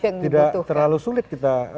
yang dibutuhkan tidak terlalu sulit kita